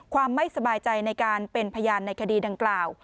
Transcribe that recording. ความไม่สบายใจในการเป็นพยานในคดีดังกล่าว